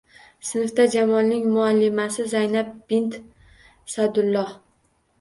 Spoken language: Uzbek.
Sinfda Jamolning muallimasi Zaynab bint Sa`dulloh